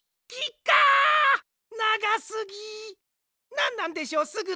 なんなんでしょう「すぐ」って！